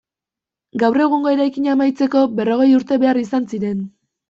Gaur egungo eraikina amaitzeko berrogei urte behar izan ziren.